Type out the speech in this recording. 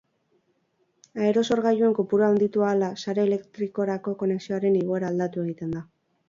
Aerosorgailuen kopurua handitu ahala, sare elektrikorako konexioaren egoera aldatu egiten da.